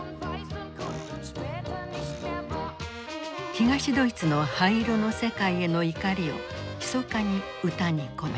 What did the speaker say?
東ドイツの灰色の世界への怒りをひそかに歌に込めた。